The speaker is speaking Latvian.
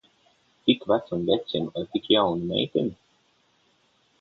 Tik vecam vecim ar tik jaunu meiteni?